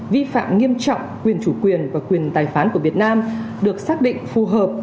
vi phạm nghiêm trọng quyền chủ quyền và quyền tài phán của việt nam được xác định phù hợp